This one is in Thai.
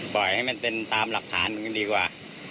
ปล่อยให้มันเป็นตามหลักฐานก็ดีกว่า